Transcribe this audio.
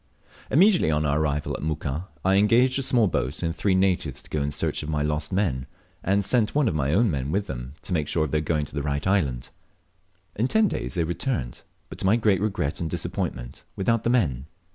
Immediately on our arrival at Muka, I engaged a small boat and three natives to go in search of my lost men, and sent one of my own men with them to make sure of their going to the right island. In ten days they returned, but to my great regret and disappointment, without the men.